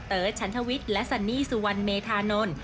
ฉันทวิทย์และซันนี่สุวรรณเมธานนท์